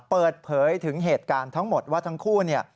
เปิดเผยถึงเหตุการณ์ทั้งหมดว่าทั้งคู่เนี่ย